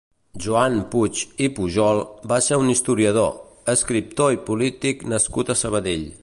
Joan Puig i Pujol va ser un historiador, escriptor i polític nascut a Sabadell.